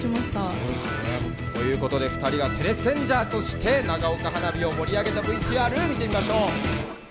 そうですよね。ということで２人がテレセンジャーとして長岡花火を盛り上げたＶＴＲ見てみましょう。